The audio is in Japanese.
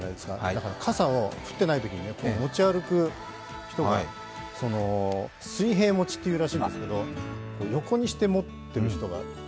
だから傘を、降っていないときに持ち歩く人が水平持ちっていうらしいんですけど横にして持ってる人が。